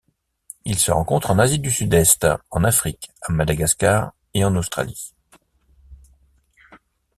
Il se rencontrent en Asie du Sud-Est, en Afrique, à Madagascar et en Australie.